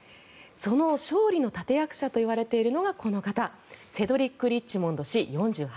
その勝利の立役者といわれているのがこの方セドリック・リッチモンド氏４８歳。